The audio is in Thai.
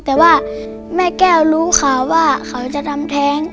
แต่ว่าแม่แก้วรู้ข่าวว่าเขาจะทำแท้ง